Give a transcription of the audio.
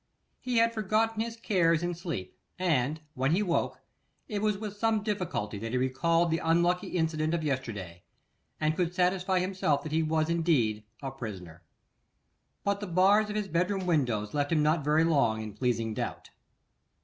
He had forgotten his cares in sleep, and, when he woke, it was with some difficulty that he recalled the unlucky incident of yesterday, and could satisfy himself that he was indeed a prisoner. But the bars of his bedroom window left him not very long in pleasing doubt.